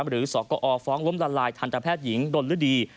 หรือสกอฟ้องล้มละลายทันตแพทย์หญิงดนฤดี